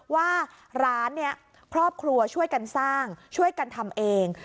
ว่าร้านเนี่ยครอบครัวช่วยกันสร้างช่วยกันทำเอง